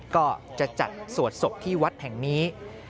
ก็จะจัดสวดศพที่วัดแห่งนี้